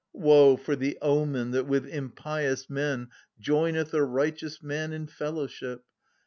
Woe for the omen that with impious men Joineth a righteous man in fellowship